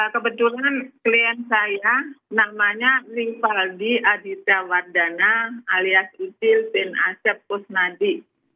kebetulan klien saya namanya nivaldi aditya wardana alias ucil bin asep kusnadi